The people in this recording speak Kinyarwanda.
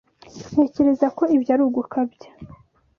Ntekereza ko ibyo ari ugukabya.